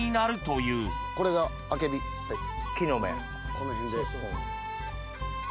この辺で。